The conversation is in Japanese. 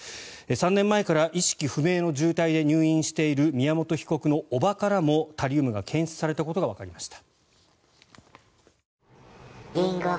３年前から意識不明の重体で入院している宮本被告の叔母からもタリウムが検出されたことがわかりました。